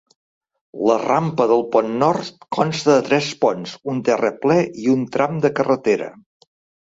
La rampa del pont nord consta de tres ponts, un terraplè i un tram de carretera.